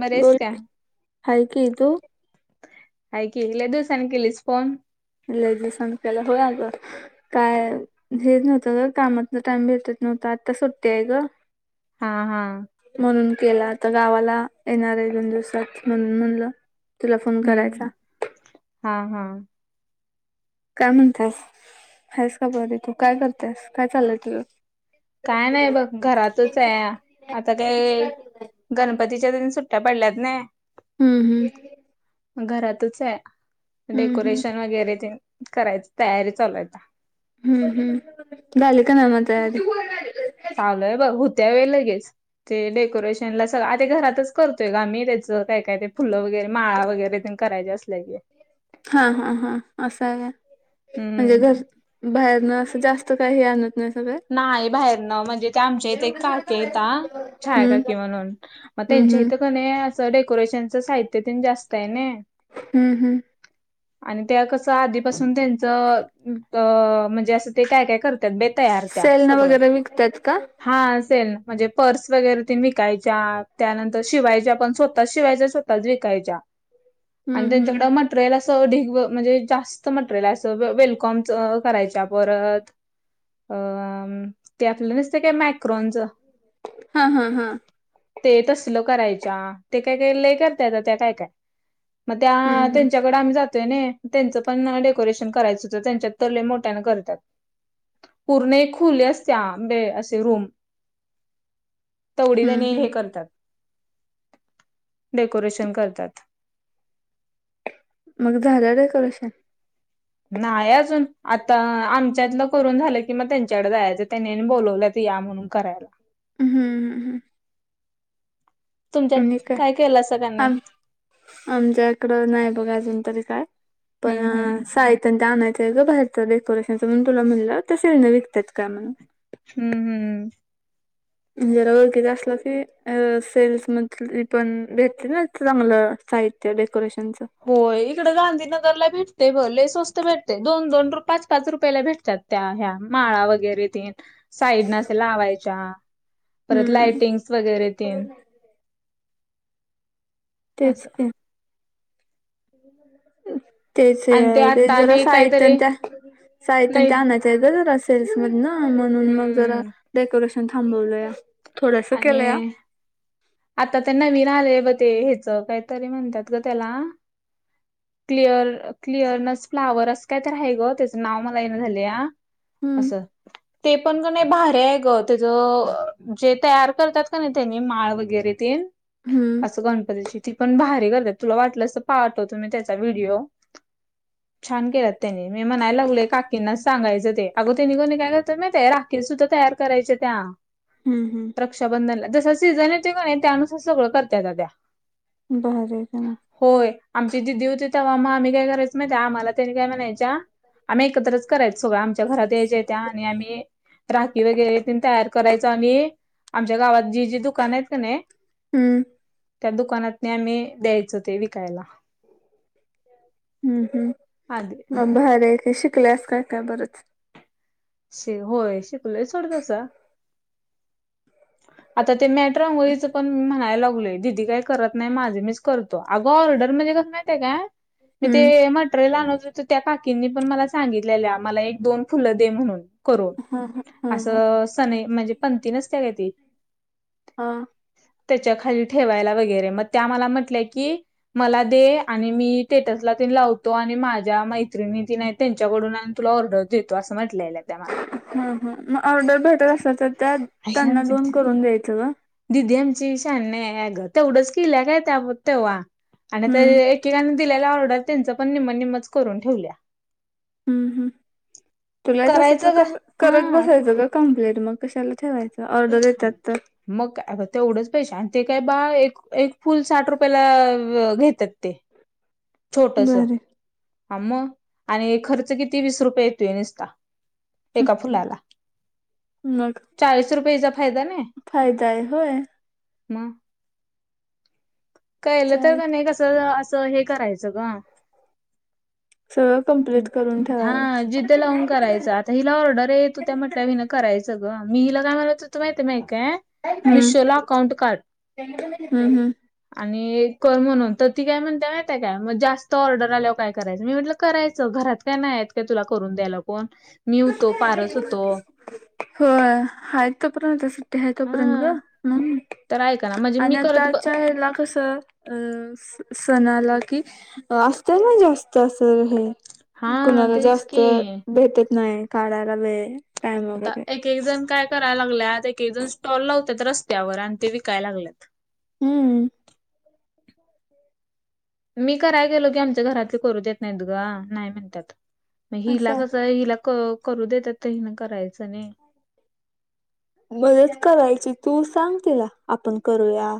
बरे आहेस बोल का? हाय की तू हाय की लय दिवसांन केलीस फोन. लय दिवसांन केला होय अगं. काय हे नव्हतं गं कामातनं टाइम भेटत नव्हता आता सुट्टी आहे गं. हा हा. म्हणून केला आता गावाला येणार आहे दोन दिवसात म्हणून म्हणलं तुला फोन हम्म करायचा. हा हा. काय म्हणतायस आहेस का बरी तू काय करतेस काय चाललय तुझं. काय नाही बघ घरातच आहे आता काय गणपतीच्या तेन सुट्टया पडल्यात नाय. हम्म हम्म. म घरातच आहे हम्म डेकोरेशन वगैरे तेन करायच तयारी चालू आहे आता. हम्म हम्म झाली का नाही मग तयारी? चालू आहे बघ होत्या व्हय लगेच ते डेकोरेशनला सगळं आ ते घरातच करतोय गं आम्ही ते च त्या काय काय ते फुलं वगैरे माळा वगैरे तेन करायच्या असल्या की. हा हा हा असं हाय काय हम्म म्हणजे घर बाहेरनं असं जास्त काही हे आणत नाही सगळं नाही बाहेरनं म्हणजे ते आमच्या इथे एक हम्म काकी आहेत ता हम्म छायाकाकी म्हणून म हम्म त्यांच्या इथं क नी असं डेकोरेशनचं साहित्य तेन जास्त आहे ने. हम्म हम्म. आणि त्या कसं आधीपासून त्यांच त म्हणजे असं ते काय काय करत्यात बाई तया सेलनं वगैरे विकत्यात का? हा सेलनं म्हणजे पर्स वगैरे तेन विकायच्या त्यानंतर शिवायच्या पण स्व तःच शिवायच्या स्वतःचं विकायच्या आणि हम्म हम्म. त्याच्याकडं मट टेरियल असं ढीग ब म्हणजे जास्त मटेरियल असं वे वेलकॉमचा करायच्या परत अ आम ते आपलं नसतं काय मॅक्रोनचं. हा हा हा. ते तसलं करायच्या ते काय काय लय करता येत त्या काय काय म त्या हम्म हम्म. त्यांच्या कडे आम्ही जातोय नये त्यांचं पण डेकोरेशन करायचं होतं त्यांच्यात तर लई मोठ्याने करत्यात. पूर्ण एक खोली असत्या आंबे असे रूम तेवढी हम्म तिन्ही हम्म. हे करतात डेकोरेशन करतात. मग झालं डेकोरेशन? नाही अजून आता आमच्यातलं करून झालं कि मग त्यांच्याकडे जायचं त्यांनी बोलवल्यात या म्हणून करायला. हम्म ह आणि तुमच्यात काय केलं असं का नाही आम आमच्याकड नाही बघा अजून तरी काय. पण हम्म हम्म [inaudible] त्याच आणायच हाय ग बाहेरंच डेकोरेशनच म्हणून तुला म्हटल सेल न विकतात काय म्हणून. हम्म हम्म जरा ओळखीच असल की सेल्स मध पण भेटली ना चांगल साहित्य त्या डेकोरेशनच. होय इकड गांधीनगरला भेटतय बघ लई स्वस्त भेटते दोन दोन पाच पाच रुपयाला भेटतात. त्या ह्या माळा वगैरे ते साईडन अशा लावायच्या. परत हम्म लाइटिंग्स वगैरे त तेच की, तेच आणि ते आता जरा आणि साहित्य काहीतरी त्या साहित्य नाही ते आणायच [inaudible] सेल्स मधुन ना म्हणून मग हम्म डेकोरेशन थांबवलया. आणि आता त्या नवीन आले ब ते ह्याच काहीतरी म्हणतात ग त्याला. क्लिअर क्लिअरनस फ्लावर अस काय तर आहे ग. त्याच मला येन झाले या. हम्म अस ते पण ग नाही भारी आहे ग त्याच जे तयार करतात नाही त्यानी माळ वगैरे तेन हम्म अस गणपतीची ती पण भारी करतात. तुला वाटलस त पाठवतो मी त्याचा व्हिडिओ. छान केलत त्यांनी. मी म्हणायला लागलो काकींनाच सांगायच ते, अग तेन्ही कणी काय करत्यात माहिती काय सुद्धा तयार करायचे त्या. हम हम रक्षाबंधनला जस सिझन येतो का नाही त्यानुसार सगळ करत्यात त्या. भारी आहे का मग होय आमची दीदी होती तेंव्हा आ आम्ही काय करायच माहित आम्हाला त्यानी काय म्हणायच्या. आम्ही एकत्रच करायचो सगळ आमच्या घरात यायच्या त्या आणि आम्ही राखी वगैरे त तयार करायचो आणि आमच्या गावात जी जी दुकान आहेत का नाही हम्म त्या दुकानातनी आम्ही द्यायचो ते विकायला. हम्म हम्म आधी मग भारी हाय की शिकलेस काय काय बरच. होय शिकलोय सोड सगळ तस. आता ते मॅट्र रागोळीच पण म्हणायला लागलोय. दिदी काय करत नाही माझे मीच करतो. अगं ऑर्डर म्हणजे कस माहितीय काय मी ते हम्म मटेरिल आणत होतो त्या काकींनी पण मला सांगितलेल्या मला एक दोन फुल दे म्हणून. करून. हा हा हा अस हा सनई म्हणजे पणती नसत्या काय ती. हा त्याच्या खाली ठेवायला वगैरे मग त्या मला म्हटल्या य की, मला दे आणि मी स्टेटसला ती लावतो आणि माझ्या मैत्रिणी ती त्यांच्याकडून आणि तुला ऑर्डर देतो. अस म्हटल्या. ह ह मग ऑर्डर भेटत असला तर त्या आई त्यांना आमची दोन करून द्यायच का. दिदी आमची शानी नाही ग तेवढच केलय काय त्या तेव्हा, आणिता हम्म एकेकाने दिलेला ऑर्डर त्यांच पण नि्मन निम्मच करून ठेवल्या. हम् हम्. तुलायच असल तर करायचं का करत हा बसायच का कमपप्लिट मग कशाला ठेवायच. जर ऑर्डर येतात तर, मग तेवढंच पैसे आणि ते काय बाळ एक एक फुल साठ रुपयाला घेतात ते. [inaudible] छोटस बरे हा मग आणि खर्च किती वीस रुपये येतोय नुसता. एका फुलाला मग चाळीस रुपयेचा फायदा आहे होय. म कलं तर चालेल का नाही कस अस हे करायचं ग सगळं कंप्लीट करून हा ठेवायच जिद्द लावून करायच आता. तर हिला ऑर्डर आहे तू त्या म्हटल्या मीन करायचं ग, मी हिला कामाला होत त माहितीय माहि काय. हम्म मिशोला अकाउंट काढ. हम्म हम्म आणि कर म्हणून तर ती काय म्हणते माहितय काय मग जास्त ऑर्डर आल्यावर काय करायचं मी म्हटलं करायचं घरात काय नाही आहेत काय तुला करून द्यायला कोण मी होतो पारस होतो. होय हाय तोपर्यंत उद्या सुट्टी आहे तोपर्यंत हा ग. तर ऐका ना म्हणजे मी आणि करत ब आताच्या हेला कस अ सणाला कि असतना जास्त असं हे. हा कुणाला तेच जास्त की भटेत नाही काढायला वेळ. टाइम आता वगैरे एक एक जण काय करायला लागल्यात एक एक जण स्टॉल लावतात रस्त्यावर आणि ते विकायला लागल्यात. हम्म. मी कराय गेलो की आमच्या घरातले करू देत नाहीत ग नाही म्हणतात. मग हिला असं आहे कसं हिला क-करू देतात तर हिन करायचं नाही. मदत करायची तू सांग तिला आपण करूया.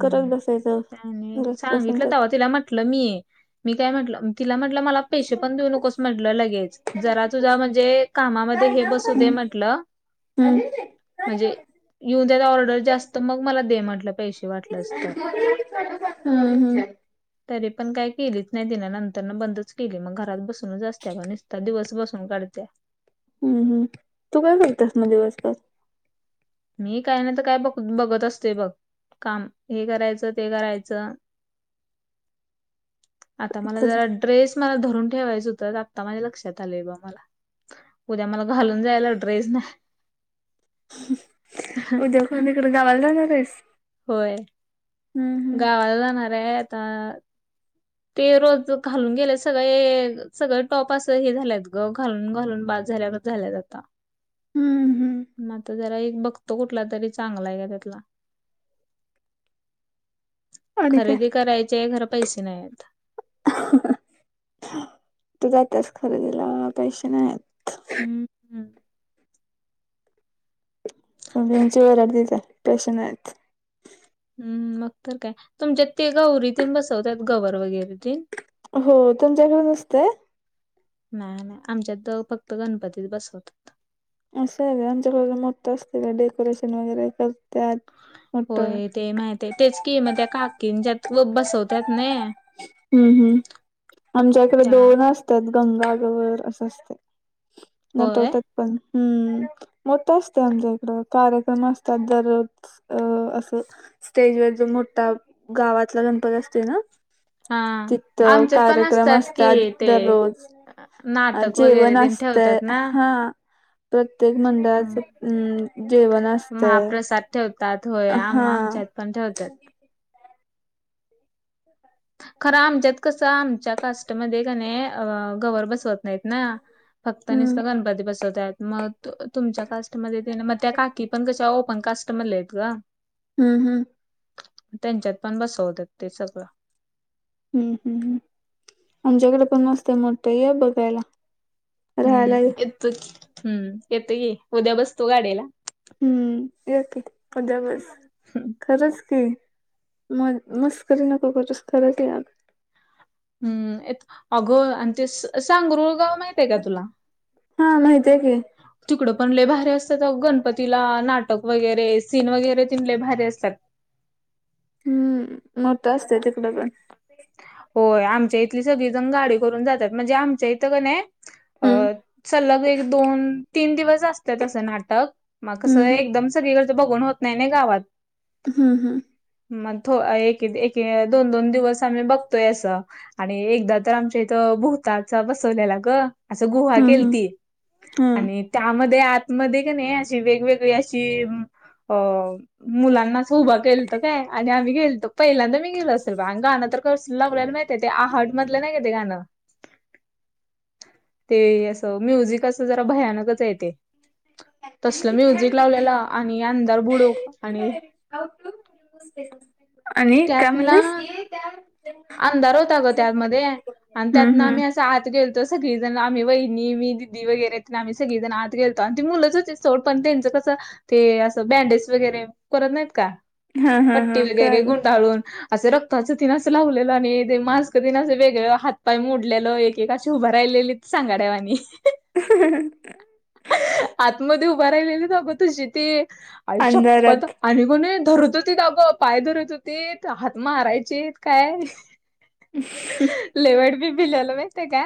करत बसायचं आणि घरात बसून सांगितलं तर तेव्हा तिला म्हटलं मी मी काय म्हटलं तिला म्हटलं मला पेशसे पण देऊ नकोस म्हटलं लगेच. जरा तुझा म्हणजे कामामध्ये हे बसू दे म्हंटलं. हम. म्हणजे येऊ द्यात ऑर्डर जास्त मग मला दे म्हटलं पैसे वाटले. हम हम. तरी पण काय केलीच नाही तिला नंतर ना बंदच केली मग घरात बसूनच असत ब नुसती. दिवस बसून काढत्या. हम्म हम्, तू काय करतेस मग दिवसभर. मी काय नाही तर काय बघ- बघत असते बघ. काम हे करायचं ते करायचं. [inaudible] आता मला जरा आहे. ड्रेस मला धरून ठेवायचं होतं आत्ता माझ्या लक्षात आलंय ब मला. उद्या मला घालून जायला ड्रेस नाही. नाही उद्या कोणीकड गावाला जाणार आहेस. होय हम्म हम्म गावाला जाणार आहे आता [inaudible] ते रोज घालून गेले सगळे सगळे टॉप असं हे झालेत ग घालून घालून बाद झाल्यागत झाल्यात आता. हम्म हम्म म आता जरा एक बगतो कुठला तरी चांगला आहे का त्यातला. [inaudible] खरेदी करायची आहे घर पैसे नाहीएत. कुठे जातेस खरेदीला पैसे नाहीएत. हम्म. हम्म, सगळ्यांची [unintelligible] पैसे नाहीत. हम् मग तर काय, तुमच्यात ते गौरी तेन बसवतात गवर वगैरे ते? हो तुमच्याकडे नसतेय? नाय नाय आमच्यातं फक्त गणपतीचं बसवतात. असं आहे का आमच्याकडे मोठं असते डेकोरेशन वगैरे करत्यात. मोठं होय ते माहित आहे, तेच कि मग त्या काकींच्यात बसवतात नी. हम्म-हम्म आमच्याकडे त्या दोन अस तत गंगा गवर असं असते. होय नटवतात पण हम्म मोठं असते आमच्याइकडं कार्यक्रम असतात दररोज. अ असं स्टेजवर जो मोठा गावातला गणपती असते ना. हा तिथं आमच्यात पण कार्यक्रम कि असतात ते दररोज. अ नाटक वगैरे जेवण तेन असतं ठेवतात ना हा. प्रत्येक हम्म मंडळाचं अं जेवण असतंय. महाप्रसाद ठेवतात होय, आम हा आमच्यात पण ठेवत्यात. खरं आमच्यात कसं आमच्या कास्टमध्ये क नी गवर बसवत नाहीत ना, फक्त हम्म नुसतं बसवत्यात, मग तुमच्या कास्टमध्ये ते मग त्या का की पण कश्या ओपण कास्टमधलेत ग. हम्म हम्म. त्यांच्यात पण बसवतात ते सगळं. हम्म हम्, आमच्याकडे पण असतंय मोठं ये बघायला. हम्म राहायला ये. येतो की, हम्म येतो की उद्या बसतो गाडीला. हम्म येतत उद्या बस खरंच की. म मस्करी नको करूस खरचं यं. हम् येत, अग आणि ते सांगरुळगाव माहि ते का तुला? हा माहितीय की तिकडं पण लई भारी असतात, गणपतीला नाटक वगैरे सीन वगैरे तिले भारी असतात. हम्म मोठं असतंय तिकडं पण. होय आमच्या इथली सगळी जण गाडी करून जातात, म्हणजे आमच्या इथं का नय अ हम्म सलग एक दोन तीन दिवस असतंय तसं नाटक. मग कसं हम्म एकदम सगळीकडचं बघून होत नाही ना गावात. हम्म हम्म. मग थो एक एक दोन दोन दिवस आम्ही बघ तोय असं आणि एकदा तर आमच्या इथं भूताचा बसवलेला ग. असं गुहा हम्म हम्म केलती हम्म आणि त्यामध्ये आतमध्ये का नाही अशी वेगवेगळी अशी अ मुलांना असं उभा केलतं काय आणि आम्ही गेलतो पहिल्यांदा मी गेलो असेल, ब गाणं तर कस लं लावलेला माहिते ते आहट मधलं नाही का ते गाणं? ते असं म्युझिक असं जरा भयानकचय ते. तसलं म्युझिक लावलेलं आणि अंधार बुडूक आणि [inaudible] [inaudible] आणि काय त्यात ना म्हणलीस अंधार होता ग त्यातमध्ये आणि त्यात हम्म ना हम्म आम्ही आत गेलतो सगळी जण आम्ही, वहिणी, मी, दिदी वगैरे आम्ही सगळी जण आत गेलतो आणि ती मुलंच होती सोड पण त्यांचं कसं ते असं बँडेज वगैरे करत नाहीत का? हा हा पट्टी हा वगैरे कळालं गुंडाळून असं रक्ताचं तिनच लावलेलं आणि ते मास्क दिनसं वेगळं हातपाय मोडलेलं एकेकाशी उभं राहिलेली सांगाड्या वाणी ह आतमध्ये उभं राहिलेली दाखवत क्षिती आईशप्पथ अंधारात आणि कोणी धरत होती का अगं पाय धरत होती हात मारायचेत काय लेवड बी भिलवलं माहितय का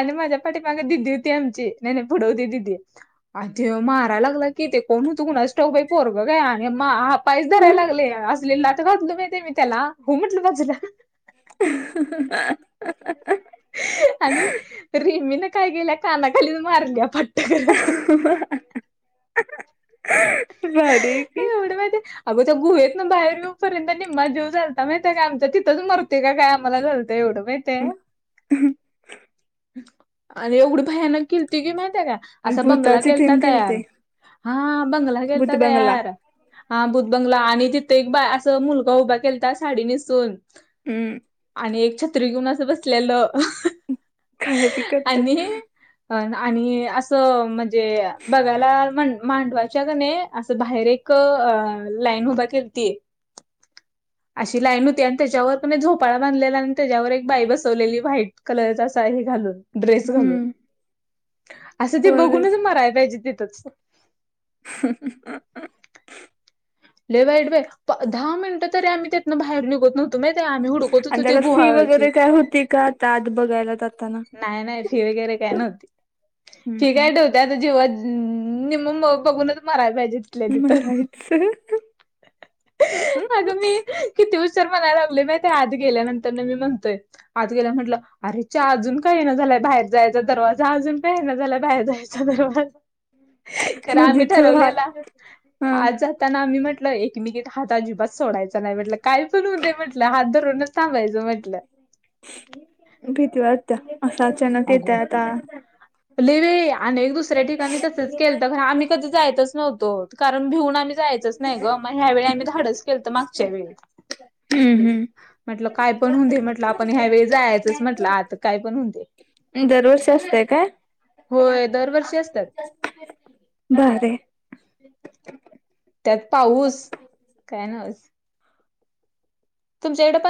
आणि माझ्या पाठी माग दिदी होती आमची नाय नाय पुढ होती दिदी अ ते माराय लागला कि ते कोण होत कुणास ठाऊक बाई पोरगं काय आणि [unintelligible] पायच धरायला लागले असले लाथ घातलं माहिती मी त्याला हो म्हटल बाजूला. ह ह आणि रिमीन काय केल्या कानाखालीच मारल्या फट भारी आहे ती. एवढं माहिती अगं त्या गुहेतन बाहेर येेऊपर्यंत निम्मा जीव झालता माहिती आहे काय आमचा तिथंच मरते का काय आम्हाला झा त एवढं माहित आहे. हम्म. आणि एवढी भयानक केलती कि माहीत आहे का असा बंगला भूताची केलता थीम तयार, केलती हा बंगला केलता भूत बंगला तयार. हहां भूतबंगला आणि तिथे एक बा असं मुलगा उभा केलाता साडी नेसून हम्म. आणि एक छत्री घेऊन अस बसलेलं खरेदी आणि करतात अह आणि असं म्हणजे बघायला मांडवायच्या का नाय असं बाहेर एक क लाईन उभी केलती अशी लाईन होती आणि त्याच्यावर पण एक झोपाळा बांधलेला आणि त्याच्यावर एक बाई बसवलेली व्हाईट कलरचा साडी हे घालून ड्रेस घालून हम्म असं ते बघूनच पोरगच मरायला पाहिजे तिथच ह लय वाईट बाय पा दहा मिनटं तरी आम्ही त्यातन बाहेर निघत नव्हं तो माहितीय आम्ही ऊठ आणि त्याला फी वगैरे काय होती का आता आत बघायला जाताना नाय नाय फी वगैरे काही नव्हती हम्म हम्म. त्यात जीवात न निम्म बघूनच मरायला पाहिजेत मरायच अगं मी किती हुशार म्हणाय लागले माहित आत गेल्यानंतर ना मी म्हणतोय. आत गेल्यावर म्हटलं अरेच्या अजून का येई ना झालाय बाहेर जायचा दरवाजा अजून का येई ना झालाय बाहेर जायचा दरवाजा खर म्हणजे आम्ही तो ठरवलेल हात हा आज त्यांना आम्ही म्हटलं एकमेकीचा हात अजिबात सोडायचं नाही म्हटलं काय पण होऊ दे म्हटलं हात धरूनच थांबायचं म्हटलं भीती वाटत असं अचानक येते अगो आता लय बाई आणि एक दुसऱ्या ठिकाणी तसच केलत कारण आम्ही कधी जायच नव्हतो कारण भिऊन आम्ही जायचंच नाही ग. मग ह्या वेळी आम्ही धाडस केलत मागच्या वेळी हम्म हम्म. म्हटलं काय पण होऊन दे म्हटलं आपण ह्यावेळी जायचंच म्हटलं आत काय पण होऊ दे. ते दरवर्षी असतंय काय? होय दरवर्षी असत्यात. भारी आहे. त्यात पाऊस, काय न्हवचं. तुमच्याइकडं पण